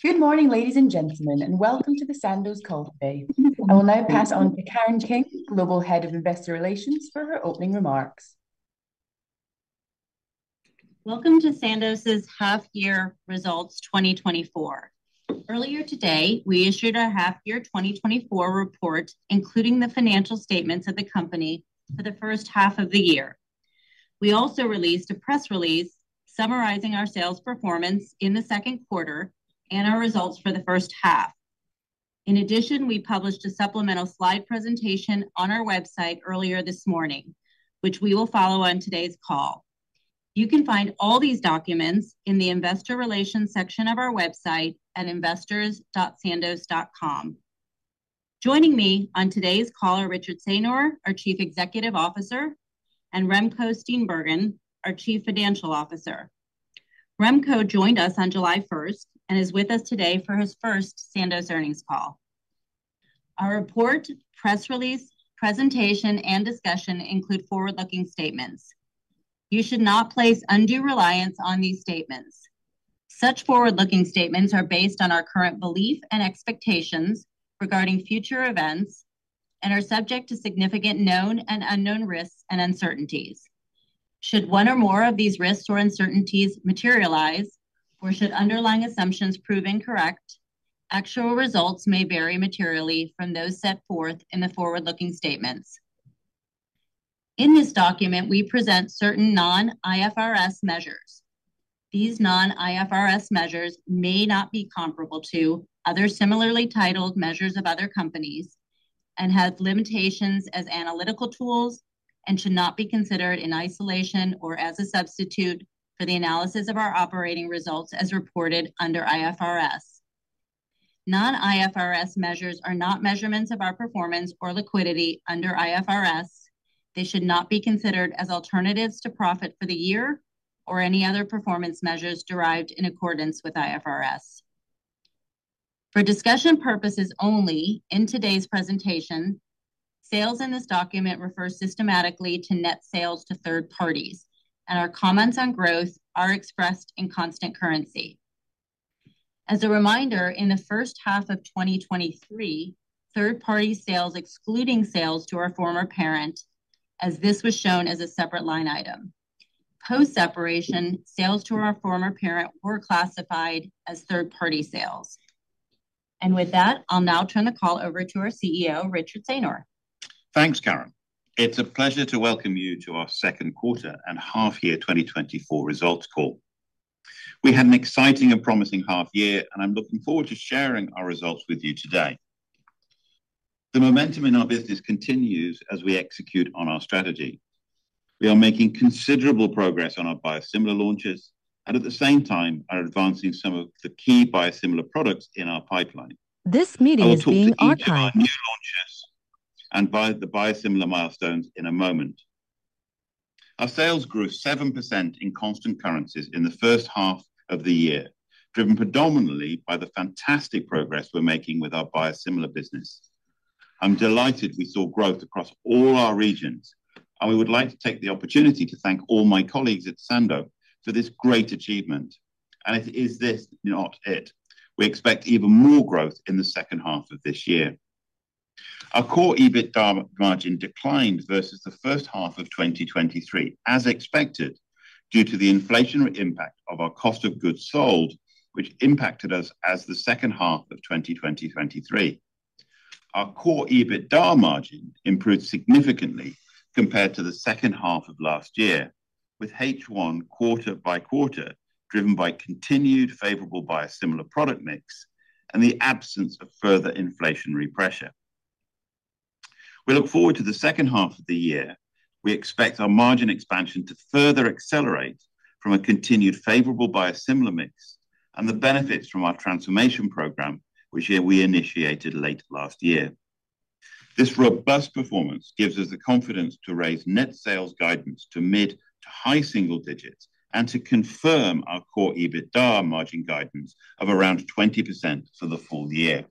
Good morning, ladies and gentlemen, and welcome to the Sandoz Call today. I will now pass on to Karen King, Global Head of Investor Relations, for her opening remarks. Welcome to Sandoz's half-year 2024 results. Earlier today, we issued our half-year 2024 report, including the financial statements of the company for the first half of the year. We also released a press release summarizing our sales performance in the second quarter and our results for the first half. In addition, we published a supplemental slide presentation on our website earlier this morning, which we will follow on today's call. You can find all these documents in the Investor Relations section of our website at investors.sandoz.com. Joining me on today's call are Richard Saynor, our Chief Executive Officer, and Remco Steenbergen, our Chief Financial Officer. Remco joined us on July 1st and is with us today for his first Sandoz earnings call. Our report, press release, presentation, and discussion include forward-looking statements. You should not place undue reliance on these statements. Such forward-looking statements are based on our current belief and expectations regarding future events and are subject to significant known and unknown risks and uncertainties. Should one or more of these risks or uncertainties materialize, or should underlying assumptions prove incorrect, actual results may vary materially from those set forth in the forward-looking statements. In this document, we present certain non-IFRS measures. These non-IFRS measures may not be comparable to other similarly titled measures of other companies and have limitations as analytical tools and should not be considered in isolation or as a substitute for the analysis of our operating results as reported under IFRS. Non-IFRS measures are not measurements of our performance or liquidity under IFRS. They should not be considered as alternatives to profit for the year or any other performance measures derived in accordance with IFRS. For discussion purposes only in today's presentation, sales in this document refer systematically to net sales to third parties, and our comments on growth are expressed in constant currency. As a reminder, in the first half of 2023, third-party sales, excluding sales to our former parent, as this was shown as a separate line item. Post-separation, sales to our former parent were classified as third-party sales. With that, I'll now turn the call over to our CEO, Richard Saynor. Thanks, Karen. It's a pleasure to welcome you to our second quarter and half year 2024 results call. We had an exciting and promising half year, and I'm looking forward to sharing our results with you today. The momentum in our business continues as we execute on our strategy. We are making considerable progress on our biosimilar launches and at the same time are advancing some of the key biosimilar products in our pipeline. This meeting is being archived. I will talk to each of our new launches and by the biosimilar milestones in a moment. Our sales grew 7% in constant currencies in the first half of the year, driven predominantly by the fantastic progress we're making with our biosimilar business. I'm delighted we saw growth across all our regions, and we would like to take the opportunity to thank all my colleagues at Sandoz for this great achievement. And is this not it? We expect even more growth in the second half of this year. Our core EBITDA margin declined versus the first half of 2023, as expected, due to the inflationary impact of our cost of goods sold, which impacted us as the second half of 2023. Our core EBITDA margin improved significantly compared to the second half of last year, with H1 quarter-over-quarter, driven by continued favorable biosimilar product mix and the absence of further inflationary pressure. We look forward to the second half of the year. We expect our margin expansion to further accelerate from a continued favorable biosimilar mix and the benefits from our transformation program, which we initiated late last year. This robust performance gives us the confidence to raise net sales guidance to mid to high single digits and to confirm our core EBITDA margin guidance of around 20% for the full year.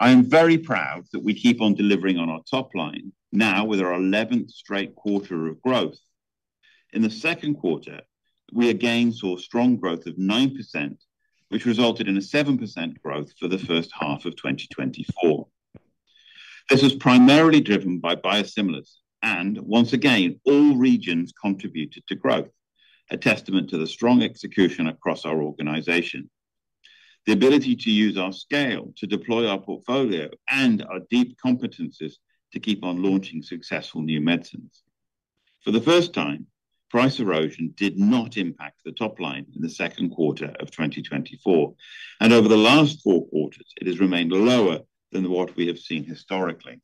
I am very proud that we keep on delivering on our top line, now with our eleventh straight quarter of growth. In the second quarter, we again saw strong growth of 9%, which resulted in a 7% growth for the first half of 2024. This was primarily driven by biosimilars, and once again, all regions contributed to growth, a testament to the strong execution across our organization. The ability to use our scale to deploy our portfolio and our deep competencies to keep on launching successful new medicines. For the first time, price erosion did not impact the top line in the second quarter of 2024, and over the last four quarters, it has remained lower than what we have seen historically.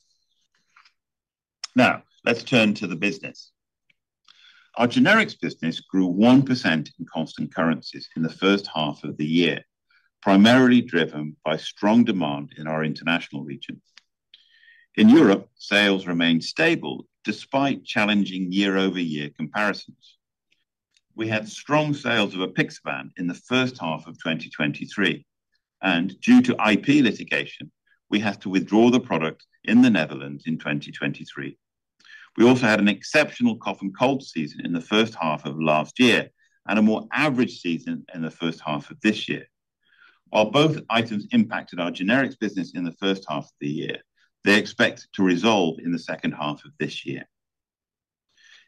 Now, let's turn to the business. Our generics business grew 1% in constant currencies in the first half of the year, primarily driven by strong demand in our international regions. In Europe, sales remained stable despite challenging year-over-year comparisons. We had strong sales of apixaban in the first half of 2023, and due to IP litigation, we had to withdraw the product in the Netherlands in 2023. We also had an exceptional cough and cold season in the first half of last year, and a more average season in the first half of this year. While both items impacted our generics business in the first half of the year, they expect to resolve in the second half of this year.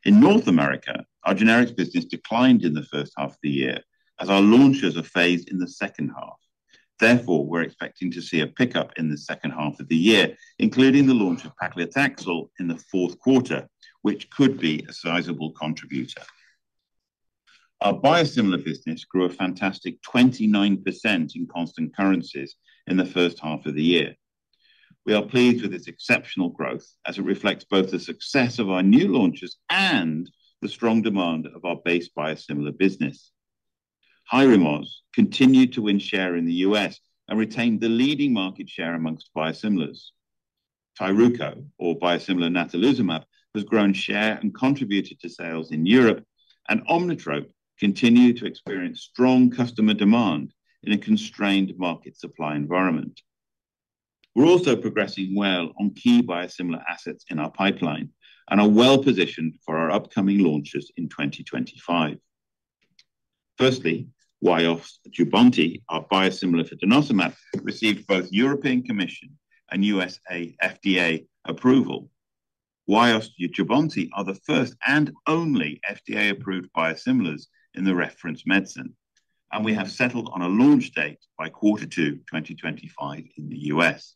In North America, our generics business declined in the first half of the year as our launches are phased in the second half. Therefore, we're expecting to see a pickup in the second half of the year, including the launch of paclitaxel in the fourth quarter, which could be a sizable contributor. Our biosimilar business grew a fantastic 29% in constant currencies in the first half of the year. We are pleased with this exceptional growth as it reflects both the success of our new launches and the strong demand of our base biosimilar business. Hyrimoz continued to win share in the U.S. and retained the leading market share amongst biosimilars. Tyruko, or biosimilar natalizumab, has grown share and contributed to sales in Europe, and Omnitrope continued to experience strong customer demand in a constrained market supply environment. We're also progressing well on key biosimilar assets in our pipeline and are well positioned for our upcoming launches in 2025. Firstly, Wyost and Jubbonti, our biosimilar for denosumab, received both European Commission and U.S. FDA approval. Wyost and Jubbonti are the first and only FDA-approved biosimilars in the reference medicine, and we have settled on a launch date by Q2 2025 in the U.S.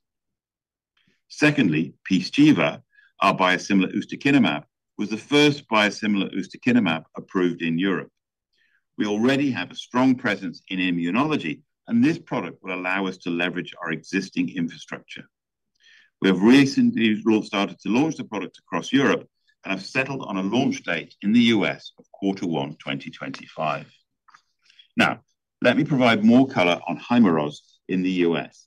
Secondly, Pyzchiva, our biosimilar ustekinumab, was the first biosimilar ustekinumab approved in Europe. We already have a strong presence in immunology, and this product will allow us to leverage our existing infrastructure. We have recently started to launch the product across Europe and have settled on a launch date in the U.S. of Q1 2025. Now, let me provide more color on Hyrimoz in the U.S.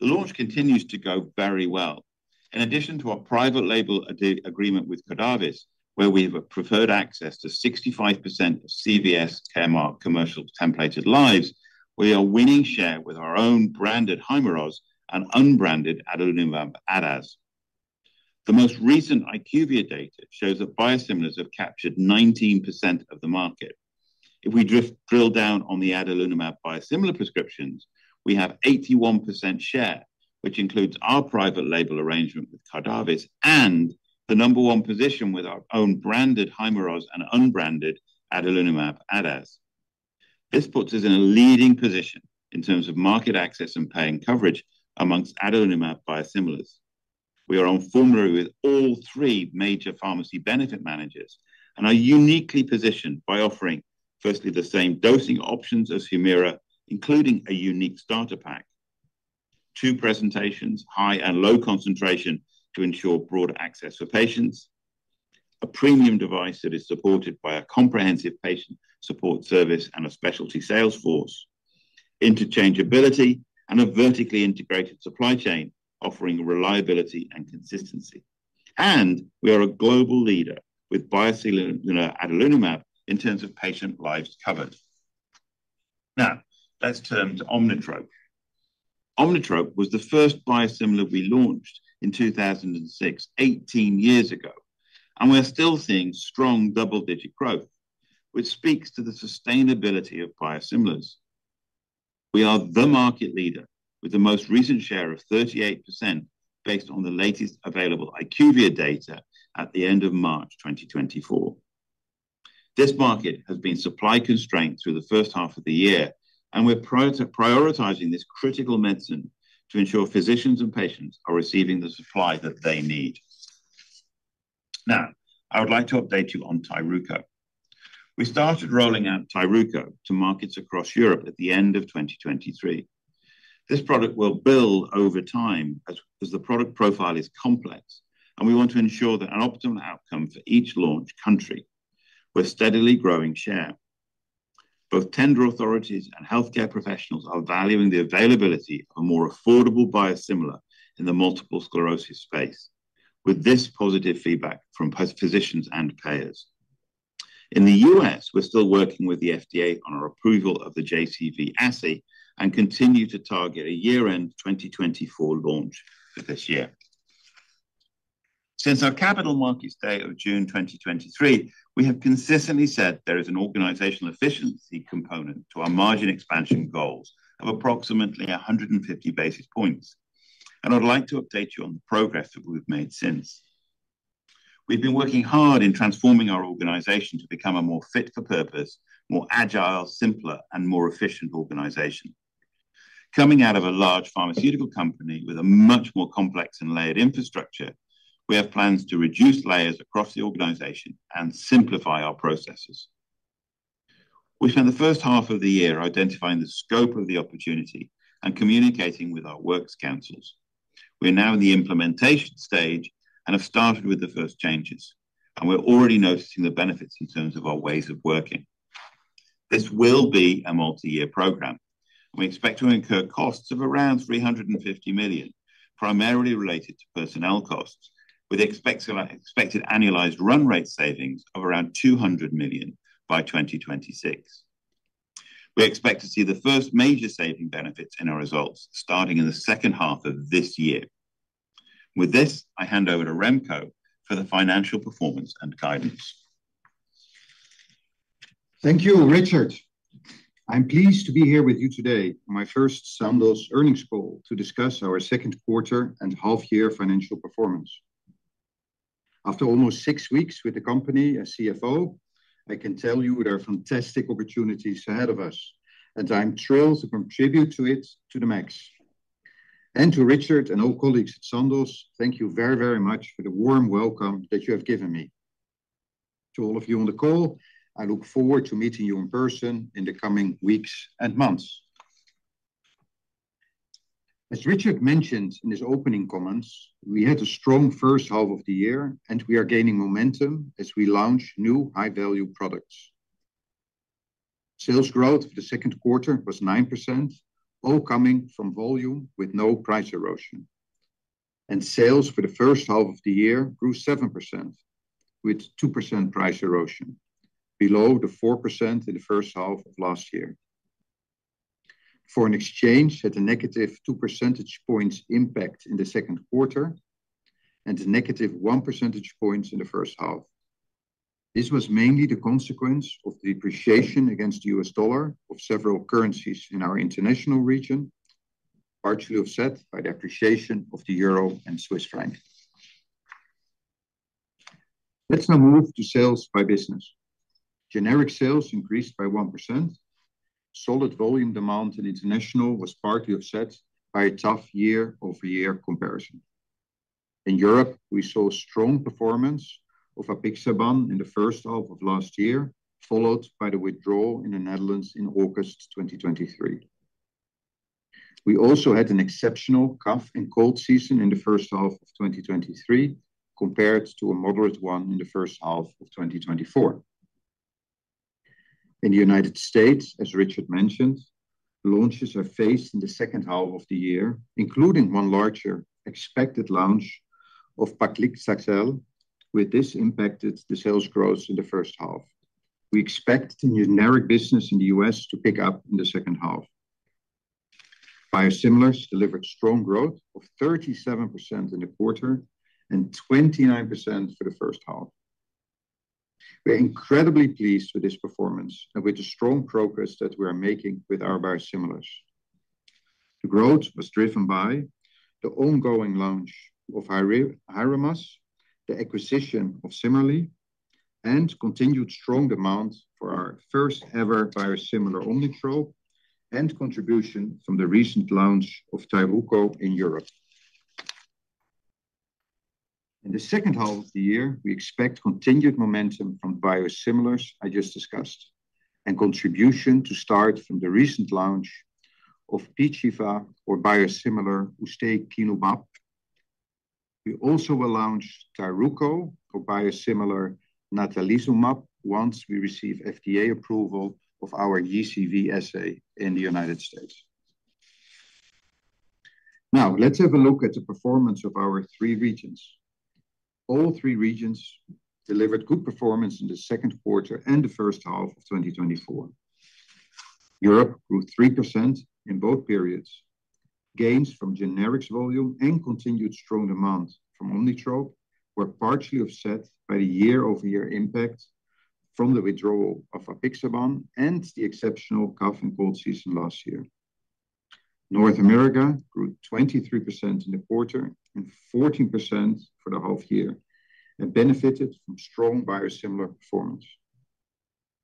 The launch continues to go very well. In addition to our private label agreement with Cardinal Health, where we have a preferred access to 65% of CVS Caremark commercial templated lives, we are winning share with our own branded Hyrimoz and unbranded adalimumab ADAZ. The most recent IQVIA data shows that biosimilars have captured 19% of the market. If we drill down on the adalimumab biosimilar prescriptions, we have 81% share, which includes our private label arrangement with Cardinal Health and the number one position with our own branded Hyrimoz and unbranded adalimumab ADAZ. This puts us in a leading position in terms of market access and paying coverage amongst adalimumab biosimilars. We are on formulary with all three major pharmacy benefit managers and are uniquely positioned by offering, firstly, the same dosing options as Humira, including a unique starter pack. Two presentations, high and low concentration, to ensure broader access for patients. A premium device that is supported by a comprehensive patient support service and a specialty sales force. Interchangeability and a vertically integrated supply chain, offering reliability and consistency. We are a global leader with biosimilar, you know, adalimumab in terms of patient lives covered. Now, let's turn to Omnitrope. Omnitrope was the first biosimilar we launched in 2006, 18 years ago, and we're still seeing strong double-digit growth, which speaks to the sustainability of biosimilars. We are the market leader with the most recent share of 38%, based on the latest available IQVIA data at the end of March 2024. This market has been supply constrained through the first half of the year, and we're prioritizing this critical medicine to ensure physicians and patients are receiving the supply that they need. Now, I would like to update you on Tyruko. We started rolling out Tyruko to markets across Europe at the end of 2023. This product will build over time as the product profile is complex, and we want to ensure that an optimal outcome for each launch country. We're steadily growing share. Both tender authorities and healthcare professionals are valuing the availability of a more affordable biosimilar in the multiple sclerosis space. With this positive feedback from physicians and payers. In the U.S., we're still working with the FDA on our approval of the JCV assay and continue to target a year-end 2024 launch for this year. Since our Capital Markets Day of June 2023, we have consistently said there is an organizational efficiency component to our margin expansion goals of approximately 150 basis points, and I'd like to update you on the progress that we've made since. We've been working hard in transforming our organization to become a more fit for purpose, more agile, simpler and more efficient organization. Coming out of a large pharmaceutical company with a much more complex and layered infrastructure, we have plans to reduce layers across the organization and simplify our processes. We spent the first half of the year identifying the scope of the opportunity and communicating with our works councils. We're now in the implementation stage and have started with the first changes, and we're already noticing the benefits in terms of our ways of working. This will be a multi-year program, and we expect to incur costs of around 350 million, primarily related to personnel costs, with expected annualized run rate savings of around 200 million by 2026. We expect to see the first major saving benefits in our results, starting in the second half of this year. With this, I hand over to Remco for the financial performance and guidance. Thank you, Richard. I'm pleased to be here with you today, my first Sandoz earnings call, to discuss our second quarter and half year financial performance. After almost six weeks with the company as CFO, I can tell you there are fantastic opportunities ahead of us, and I'm thrilled to contribute to it to the max. To Richard and all colleagues at Sandoz, thank you very, very much for the warm welcome that you have given me. To all of you on the call, I look forward to meeting you in person in the coming weeks and months. As Richard mentioned in his opening comments, we had a strong first half of the year, and we are gaining momentum as we launch new high-value products. Sales growth for the second quarter was 9%, all coming from volume with no price erosion. Sales for the first half of the year grew 7%, with 2% price erosion, below the 4% in the first half of last year. Foreign exchange had a negative 2 percentage points impact in the second quarter and a negative 1 percentage point impact in the first half. This was mainly the consequence of depreciation against the US dollar of several currencies in our international region, partially offset by the appreciation of the euro and Swiss franc. Let's now move to sales by business. Generic sales increased by 1%. Solid volume demand in international was partly offset by a tough year-over-year comparison. In Europe, we saw strong performance of apixaban in the first half of last year, followed by the withdrawal in the Netherlands in August 2023. We also had an exceptional cough and cold season in the first half of 2023, compared to a moderate one in the first half of 2024. In the United States, as Richard mentioned, launches lagged in the second half of the year, including one larger expected launch of paclitaxel. Which has impacted the sales growth in the first half. We expect the generic business in the US to pick up in the second half. Biosimilars delivered strong growth of 37% in the quarter and 29% for the first half. We are incredibly pleased with this performance and with the strong progress that we are making with our biosimilars. The growth was driven by the ongoing launch of Hyrimoz, the acquisition of CIMERLI, and continued strong demand for our first-ever biosimilar Omnitrope and contribution from the recent launch of Tyruko in Europe. In the second half of the year, we expect continued momentum from biosimilars I just discussed, and contribution to start from the recent launch of Pyzchiva or biosimilar ustekinumab. We also will launch Tyruko or biosimilar natalizumab, once we receive FDA approval of our JCV assay in the United States. Now, let's have a look at the performance of our three regions. All three regions delivered good performance in the second quarter and the first half of 2024. Europe grew 3% in both periods. Gains from generics volume and continued strong demand from Omnitrope were partially offset by the year-over-year impact from the withdrawal of apixaban and the exceptional cough and cold season last year. North America grew 23% in the quarter and 14% for the half year, and benefited from strong biosimilar performance,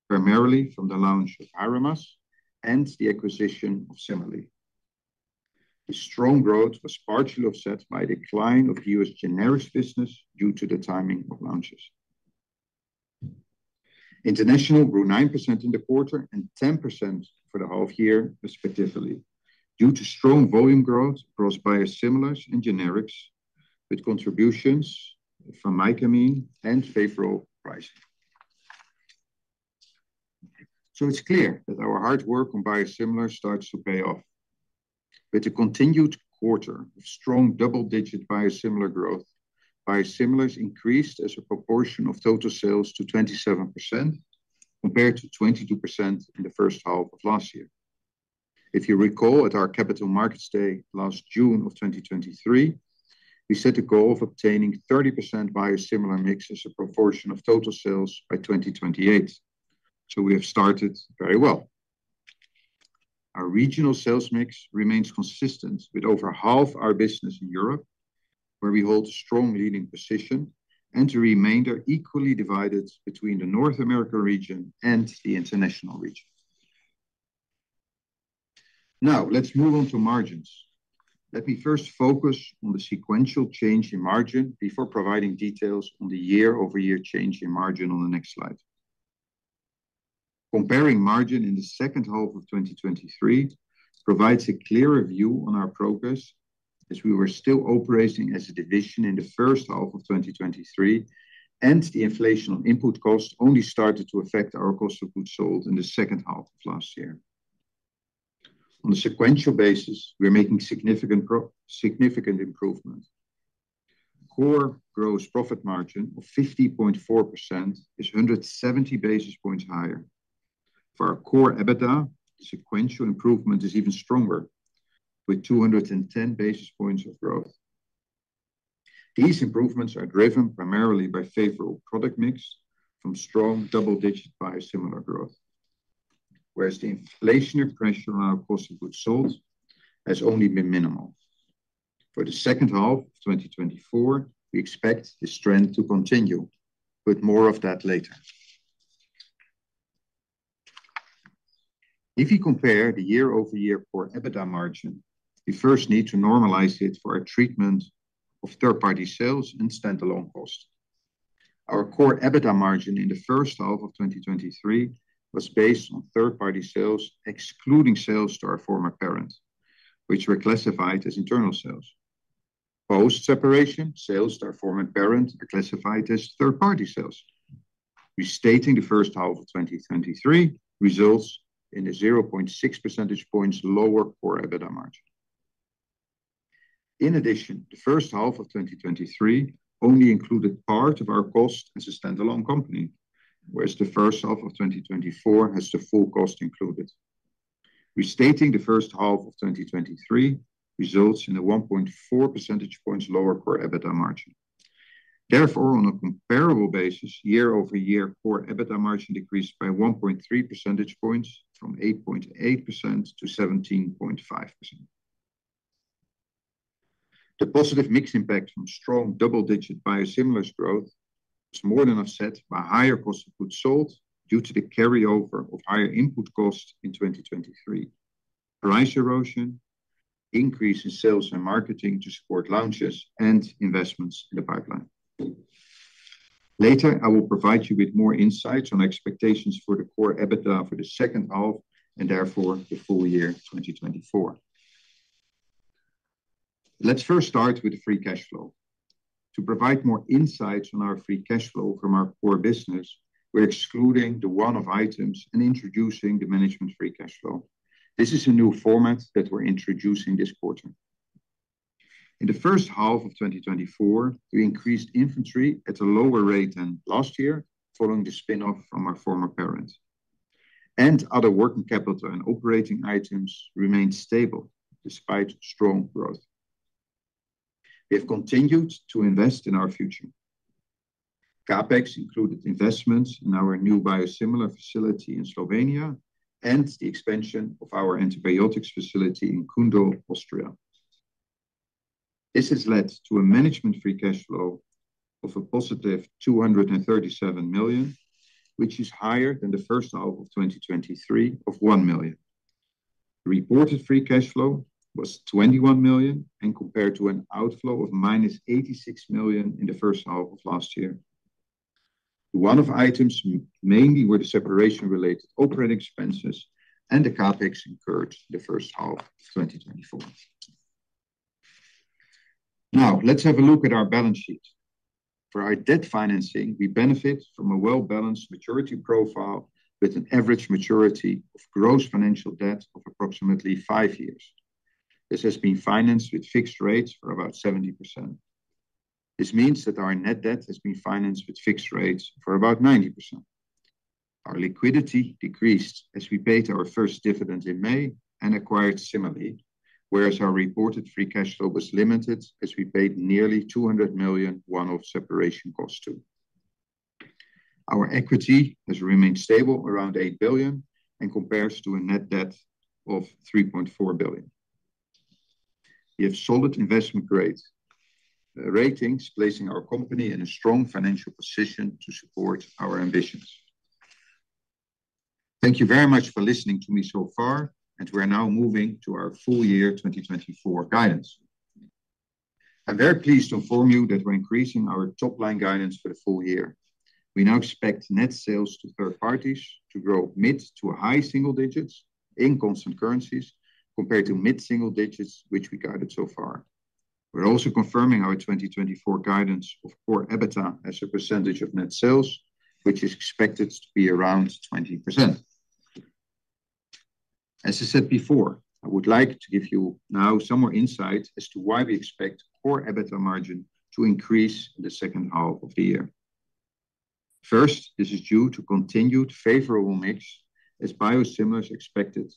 primarily from the launch of Hyrimoz and the acquisition of CIMERLI. The strong growth was partially offset by a decline of U.S. generics business due to the timing of launches. International grew 9% in the quarter and 10% for the half year, respectively, due to strong volume growth across biosimilars and generics, with contributions from Hyrimoz and favorable pricing. So it's clear that our hard work on biosimilar starts to pay off. With a continued quarter of strong double-digit biosimilar growth, biosimilars increased as a proportion of total sales to 27%, compared to 22% in the first half of last year. If you recall, at our Capital Markets Day last June of 2023, we set a goal of obtaining 30% biosimilar mix as a proportion of total sales by 2028. So we have started very well. Our regional sales mix remains consistent with over half our business in Europe, where we hold a strong leading position, and the remainder equally divided between the North America region and the international region. Now, let's move on to margins. Let me first focus on the sequential change in margin before providing details on the year-over-year change in margin on the next slide. Comparing margin in the second half of 2023 provides a clearer view on our progress, as we were still operating as a division in the first half of 2023, and the inflation on input costs only started to affect our cost of goods sold in the second half of last year.... On a sequential basis, we're making significant improvement. Core gross profit margin of 50.4% is 170 basis points higher. For our core EBITDA, sequential improvement is even stronger, with 210 basis points of growth. These improvements are driven primarily by favorable product mix from strong double-digit biosimilar growth, whereas the inflationary pressure on our cost of goods sold has only been minimal. For the second half of 2024, we expect this trend to continue, but more of that later. If you compare the year-over-year core EBITDA margin, we first need to normalize it for our treatment of third-party sales and standalone costs. Our core EBITDA margin in the first half of 2023 was based on third-party sales, excluding sales to our former parent, which were classified as internal sales. Post-separation, sales to our former parent are classified as third-party sales. Restating the first half of 2023 results in a 0.6 percentage points lower core EBITDA margin. In addition, the first half of 2023 only included part of our cost as a standalone company, whereas the first half of 2024 has the full cost included. Restating the first half of 2023 results in a 1.4 percentage points lower core EBITDA margin. Therefore, on a comparable basis, year-over-year core EBITDA margin decreased by 1.3 percentage points from 8.8% to 17.5%. The positive mix impact from strong double-digit biosimilars growth was more than offset by higher cost of goods sold due to the carryover of higher input costs in 2023. Price erosion, increase in sales and marketing to support launches, and investments in the pipeline. Later, I will provide you with more insights on expectations for the core EBITDA for the second half, and therefore, the full year 2024. Let's first start with free cash flow. To provide more insights on our free cash flow from our core business, we're excluding the one-off items and introducing the management free cash flow. This is a new format that we're introducing this quarter. In the first half of 2024, we increased inventory at a lower rate than last year, following the spin-off from our former parent, and other working capital and operating items remained stable despite strong growth. We have continued to invest in our future. CapEx included investments in our new biosimilar facility in Slovenia and the expansion of our antibiotics facility in Kundl, Austria. This has led to a management free cash flow of a positive 237 million, which is higher than the first half of 2023 of 1 million. Reported free cash flow was 21 million, and compared to an outflow of -86 million in the first half of last year. One-off items mainly were the separation-related operating expenses and the CapEx incurred in the first half of 2024. Now, let's have a look at our balance sheet. For our debt financing, we benefit from a well-balanced maturity profile with an average maturity of gross financial debt of approximately five years. This has been financed with fixed rates for about 70%. This means that our net debt has been financed with fixed rates for about 90%. Our liquidity decreased as we paid our first dividend in May and acquired CIMERLI, whereas our reported free cash flow was limited, as we paid nearly 200 million one-off separation costs too. Our equity has remained stable, around 8 billion, and compares to a net debt of 3.4 billion. We have solid investment grades, ratings, placing our company in a strong financial position to support our ambitions. Thank you very much for listening to me so far, and we are now moving to our full year 2024 guidance. I'm very pleased to inform you that we're increasing our top-line guidance for the full year. We now expect net sales to third parties to grow mid- to high-single digits in constant currencies, compared to mid-single digits, which we guided so far. We're also confirming our 2024 guidance of core EBITDA as a percentage of net sales, which is expected to be around 20%. As I said before, I would like to give you now some more insight as to why we expect core EBITDA margin to increase in the second half of the year. First, this is due to continued favorable mix, as biosimilars are expected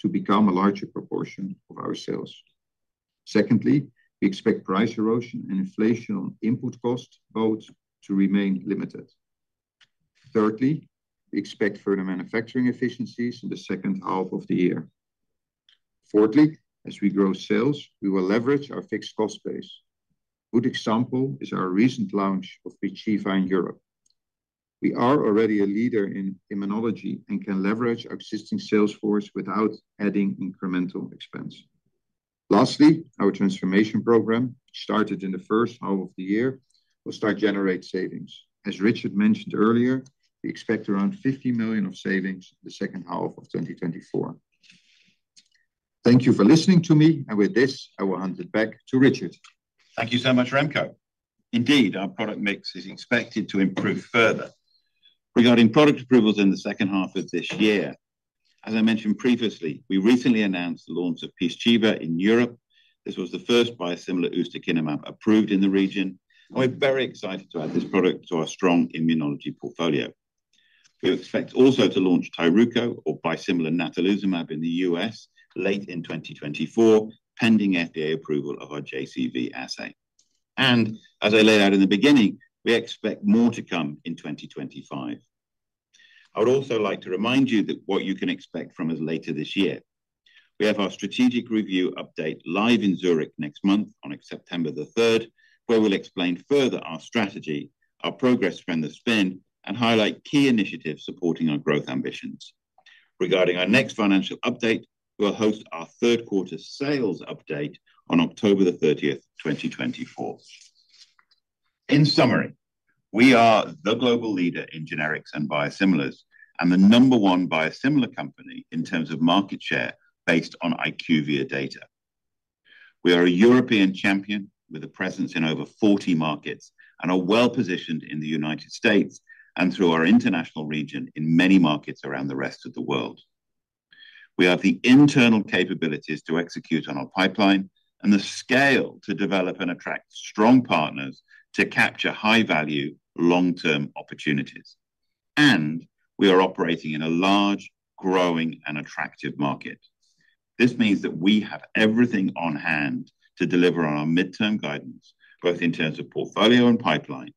to become a larger proportion of our sales. Secondly, we expect price erosion and inflation on input costs both to remain limited. Thirdly, we expect further manufacturing efficiencies in the second half of the year. Fourthly, as we grow sales, we will leverage our fixed cost base. A good example is our recent launch of Pyzchiva in Europe. We are already a leader in immunology and can leverage our existing sales force without adding incremental expense. Lastly, our transformation program, which started in the first half of the year, will start to generate savings. As Richard mentioned earlier, we expect around 50 million of savings in the second half of 2024. Thank you for listening to me, and with this, I will hand it back to Richard. Thank you so much, Remco. Indeed, our product mix is expected to improve further. Regarding product approvals in the second half of this year, as I mentioned previously, we recently announced the launch of Pyzchiva in Europe. This was the first biosimilar ustekinumab approved in the region, and we're very excited to add this product to our strong immunology portfolio. We expect also to launch Tyruko or biosimilar natalizumab in the US late in 2024, pending FDA approval of our JCV assay. And as I laid out in the beginning, we expect more to come in 2025. I would also like to remind you that what you can expect from us later this year. We have our strategic review update live in Zurich next month on September the third, where we'll explain further our strategy, our progress from the spin, and highlight key initiatives supporting our growth ambitions. Regarding our next financial update, we'll host our third quarter sales update on October 30, 2024. In summary, we are the global leader in generics and biosimilars, and the number one biosimilar company in terms of market share based on IQVIA data. We are a European champion with a presence in over 40 markets and are well positioned in the United States and through our international region in many markets around the rest of the world. We have the internal capabilities to execute on our pipeline and the scale to develop and attract strong partners to capture high value, long-term opportunities. We are operating in a large, growing, and attractive market. This means that we have everything on hand to deliver on our midterm guidance, both in terms of portfolio and pipeline,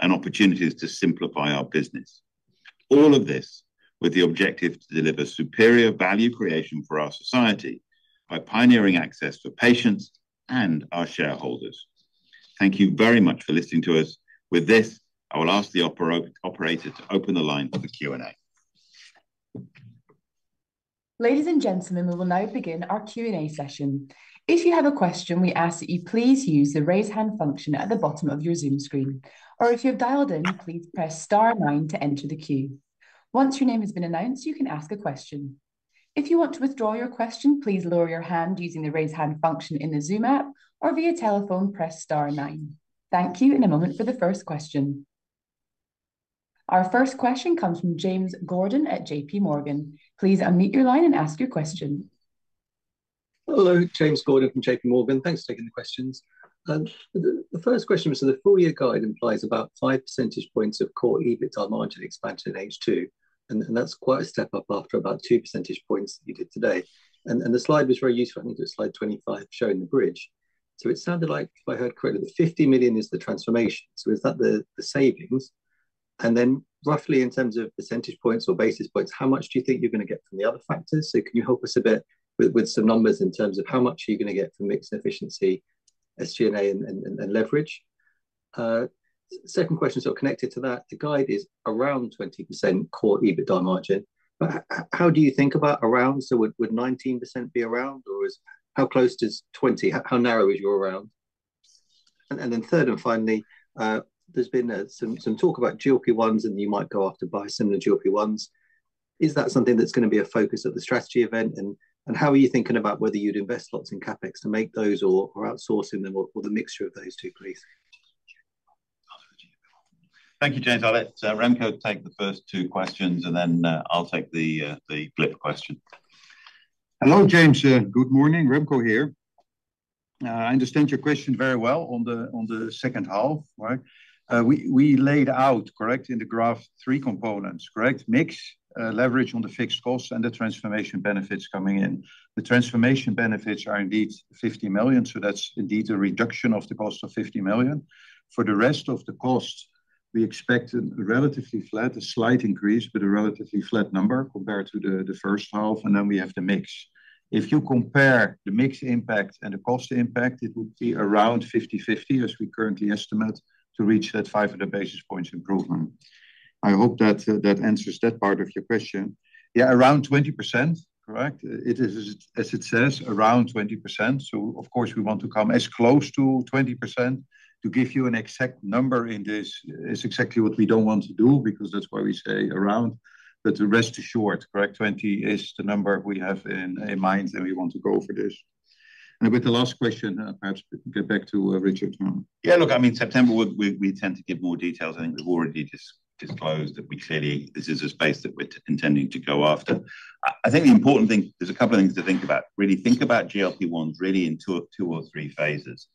and opportunities to simplify our business. All of this with the objective to deliver superior value creation for our society by pioneering access for patients and our shareholders. Thank you very much for listening to us. With this, I will ask the operator to open the line for the Q&A. Ladies and gentlemen, we will now begin our Q&A session. If you have a question, we ask that you please use the Raise Hand function at the bottom of your Zoom screen. Or if you have dialed in, please press Star nine to enter the queue. Once your name has been announced, you can ask a question. If you want to withdraw your question, please lower your hand using the Raise Hand function in the Zoom app, or via telephone, press Star nine. Thank you. In a moment for the first question. Our first question comes from James Gordon at JP Morgan. Please unmute your line and ask your question. Hello, James Gordon from JP Morgan. Thanks for taking the questions. The first question, so the full year guide implies about 5 percentage points of core EBITDA margin expansion in H2, and that's quite a step up after about 2 percentage points you did today. And the slide was very useful. I think it was slide 25, showing the bridge. So it sounded like, if I heard correctly, that 50 million is the transformation. So is that the savings? And then roughly in terms of percentage points or basis points, how much do you think you're going to get from the other factors? So can you help us a bit with some numbers in terms of how much are you going to get from mix and efficiency, SG&A, and leverage? Second question, sort of connected to that, the guide is around 20% core EBITDA margin. But how do you think about around? So would nineteen percent be around, or is... How close to twenty? How narrow is your around? And then third and finally, there's been some talk about GLP-1s, and you might go after biosimilar GLP-1s. Is that something that's going to be a focus of the strategy event? And how are you thinking about whether you'd invest lots in CapEx to make those or outsourcing them or the mixture of those two, please? Thank you, James. I'll let Remco take the first two questions, and then I'll take the flip question. Hello, James. Good morning. Remco here. I understand your question very well on the, on the second half, right? We, we laid out, correct, in the graph, three components, correct? Mix, leverage on the fixed costs, and the transformation benefits coming in. The transformation benefits are indeed 50 million, so that's indeed a reduction of the cost of 50 million. For the rest of the cost, we expect relatively flat, a slight increase, but a relatively flat number compared to the, the first half, and then we have the mix. If you compare the mix impact and the cost impact, it would be around 50/50, as we currently estimate, to reach that 500 basis points improvement. I hope that, that answers that part of your question. Yeah, around 20%, correct? It is, as it says, around 20%. So of course, we want to come as close to 20%. To give you an exact number in this is exactly what we don't want to do, because that's why we say around. But the rest is short, correct? 20 is the number we have in mind, and we want to go for this. And with the last question, perhaps we can get back to Richard now. Yeah, look, I mean, September, we tend to give more details. I think we've already disclosed that we clearly this is a space that we're intending to go after. I think the important thing—there's a couple of things to think about. Really think about GLP-1s really in 2 or 3 phases.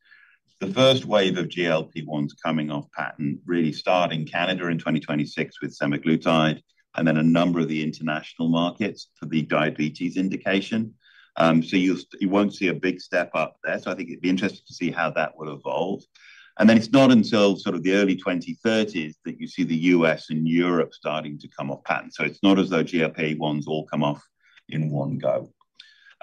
The first wave of GLP-1s coming off patent really start in Canada in 2026 with semaglutide, and then a number of the international markets for the diabetes indication. So you'll... You won't see a big step up there. So I think it'd be interesting to see how that will evolve. And then it's not until sort of the early 2030s that you see the US and Europe starting to come off patent. So it's not as though GLP-1s all come off in one go.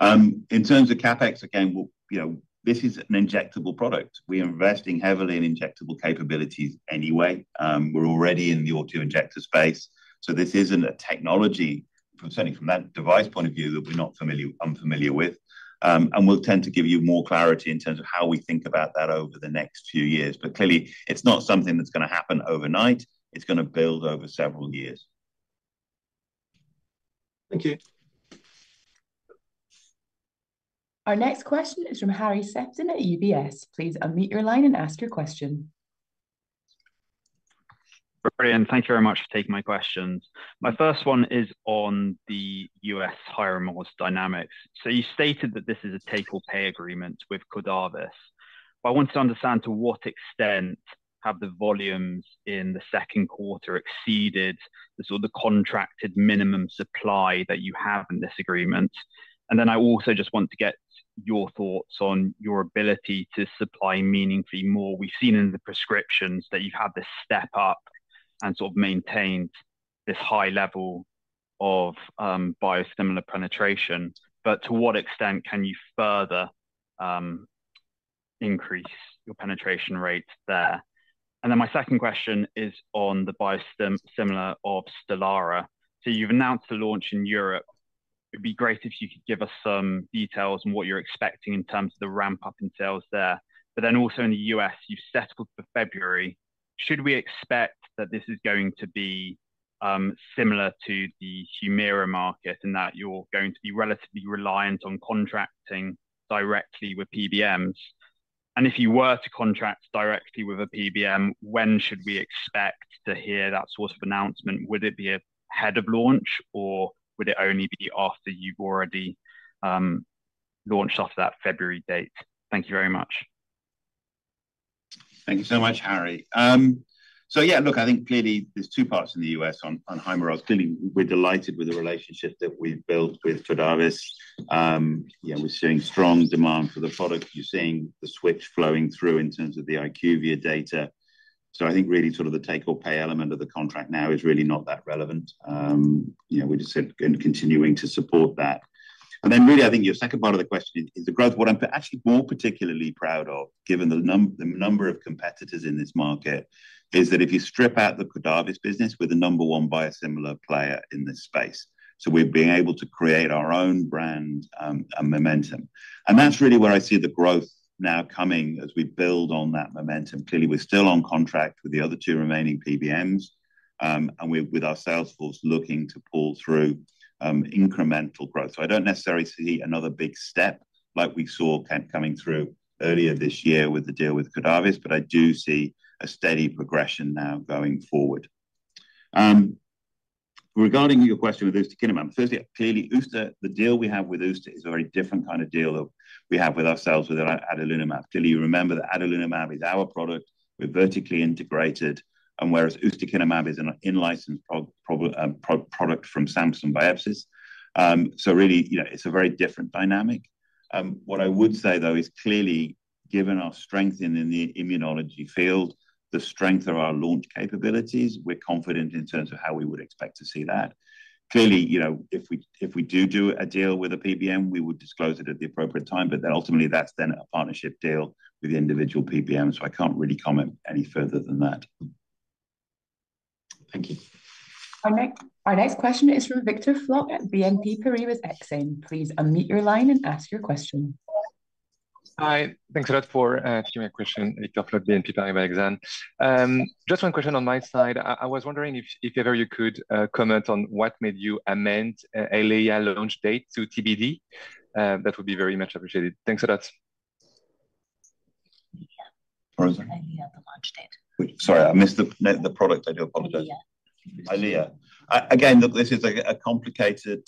In terms of CapEx, again, well, you know, this is an injectable product. We are investing heavily in injectable capabilities anyway. We're already in the auto-injector space, so this isn't a technology, certainly from that device point of view, that we're unfamiliar with. And we'll tend to give you more clarity in terms of how we think about that over the next few years. But clearly, it's not something that's going to happen overnight. It's going to build over several years. Thank you. ... Our next question is from Harry Sephton at UBS. Please unmute your line and ask your question. Brian, thank you very much for taking my questions. My first one is on the US Humira biosimilars dynamics. So you stated that this is a take-or-pay agreement with Cardinal Health, but I want to understand to what extent have the volumes in the second quarter exceeded the sort of contracted minimum supply that you have in this agreement? And then I also just want to get your thoughts on your ability to supply meaningfully more. We've seen in the prescriptions that you've had this step up and sort of maintained this high level of biosimilar penetration, but to what extent can you further increase your penetration rate there? And then my second question is on the biosimilar of Stelara. So you've announced the launch in Europe. It'd be great if you could give us some details on what you're expecting in terms of the ramp-up in sales there. But then also in the U.S., you've settled for February. Should we expect that this is going to be similar to the Humira market, and that you're going to be relatively reliant on contracting directly with PBMs? And if you were to contract directly with a PBM, when should we expect to hear that sort of announcement? Would it be ahead of launch, or would it only be after you've already launched off that February date? Thank you very much. Thank you so much, Harry. So yeah, look, I think clearly there's two parts in the U.S. on, on Humira. Clearly, we're delighted with the relationship that we've built with Cardinal Health. Yeah, we're seeing strong demand for the product. You're seeing the switch flowing through in terms of the IQVIA data. So I think really sort of the take-or-pay element of the contract now is really not that relevant. You know, we're just going to continuing to support that. And then, really, I think your second part of the question is the growth. What I'm actually more particularly proud of, given the the number of competitors in this market, is that if you strip out the Cardinal Health business, we're the number one biosimilar player in this space. So we've been able to create our own brand, and momentum. And that's really where I see the growth now coming as we build on that momentum. Clearly, we're still on contract with the other two remaining PBMs, and with our sales force looking to pull through incremental growth. So I don't necessarily see another big step like we saw coming through earlier this year with the deal with Cardinal Health, but I do see a steady progression now going forward. Regarding your question with ustekinumab, firstly, clearly, the deal we have with ustekinumab is a very different kind of deal that we have with ourselves with adalimumab. Clearly, you remember that adalimumab is our product, we're vertically integrated, and whereas ustekinumab is an in-licensed pro-product from Samsung Biologics. So really, you know, it's a very different dynamic. What I would say, though, is clearly, given our strength in the immunology field, the strength of our launch capabilities, we're confident in terms of how we would expect to see that. Clearly, you know, if we do a deal with a PBM, we would disclose it at the appropriate time, but then ultimately, that's then a partnership deal with the individual PBM, so I can't really comment any further than that. Thank you. Our next question is from Victor Floc’h at BNP Paribas Exane. Please unmute your line and ask your question. Hi, thanks a lot for taking my question. Victor Floc’h, BNP Paribas Exane. Just one question on my side. I was wondering if ever you could comment on what made you amend adalimumab launch date to TBD? That would be very much appreciated. Thanks a lot. Sorry, what was that? Eylea, the launch date. Sorry, I missed the product. I do apologize. Eylea. Eylea. Again, look, this is a complicated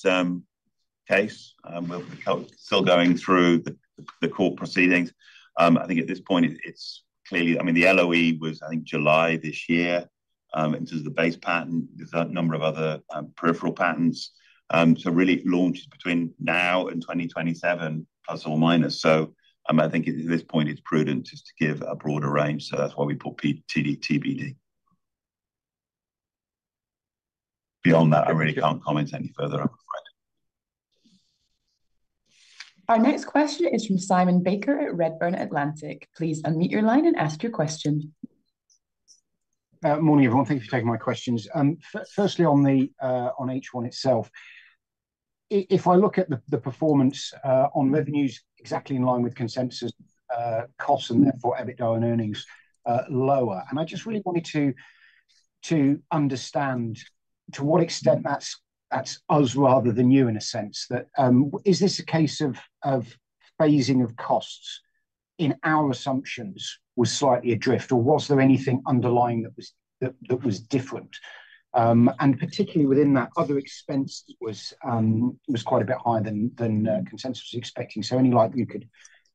case. We're still going through the court proceedings. I think at this point it's clearly... I mean, the LOE was, I think, July this year. In terms of the base patent, there's a number of other peripheral patents. So really launches between now and 2027±. So, I think at this point it's prudent just to give a broader range, so that's why we put TBD. Beyond that, I really can't comment any further, I'm afraid. Our next question is from Simon Baker at Redburn Atlantic. Please unmute your line and ask your question. Morning, everyone. Thank you for taking my questions. Firstly, on H1 itself. If I look at the performance on revenues, exactly in line with consensus, costs, and therefore, EBITDA and earnings, lower. And I just really wanted to understand to what extent that's us rather than you in a sense. That is this a case of phasing of costs in our assumptions was slightly adrift, or was there anything underlying that was different? And particularly within that, other expense was quite a bit higher than consensus expecting. So any light you could